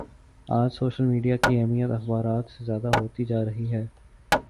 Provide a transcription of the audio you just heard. آج social media کی اہمیت اخبارات سے زیادہ ہوتی جا رہی ہے